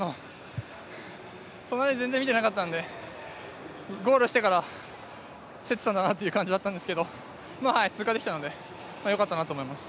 隣、全然見ていなかったんでゴールしてから、競ってたんだなという感じだったんですが通過できたのでよかったなと思います。